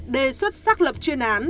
đề xuất xác lập chuyên án